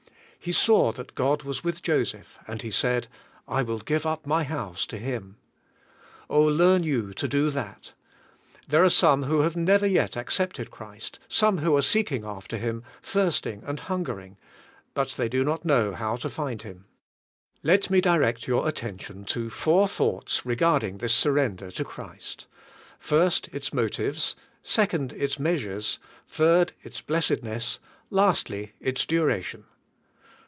He saw that God was with Joseph and he said, "I will give up my house to him." Oh, learn you to do that. There are some who have never yet accepted Christ, some who are seeking after Him, thirsting and hungering, but they do not know how to find Him. Let me direct your attention to four thoughts re garding this surrender to Christ : First, its motives ; second, its measures; third, its blessedness; lastly, its duration.